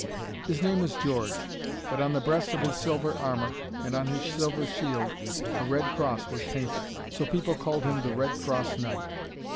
His name was George, but on the breast of his silver armour, and on his silver shield, a red cross was painted. So people called him the Red Cross Knight.